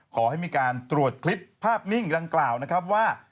ขอให้มีการตรวจคลิปภาพนิ่งดังกล่าวนะครับว่า